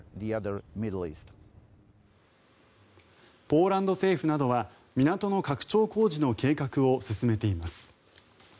ポーランド政府などは港の拡張工事の計画を進めています。